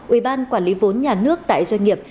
ubnd quản lý vốn nhà nước tại doanh nghiệp